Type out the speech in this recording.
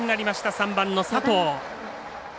３番の佐藤。